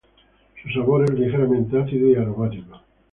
Su sabor es ligeramente ácido y aromático.